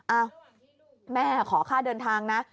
อ้าวแม่ขอค่าเดินทางนะ